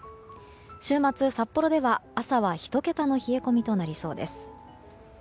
週末、札幌では朝は１桁の冷え込みとなりそうです。